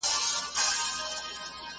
دا سر زوري خلک غوږ پر هره وینا نه نیسي `